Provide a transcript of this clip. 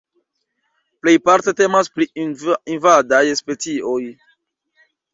Plejparte temas pri invadaj specioj.